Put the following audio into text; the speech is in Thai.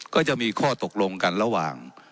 ก็จะมีข้อตกลงกันระหว่าง